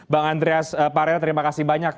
bang andreas parena terima kasih banyak